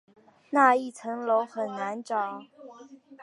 那一层楼很难找